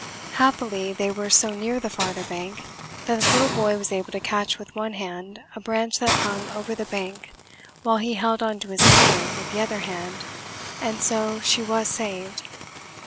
Happily, they were so near the farther bank that the little boy was able to catch with one hand a branch that hung over the bank while he held on to his mother with the other hand, and so she was saved.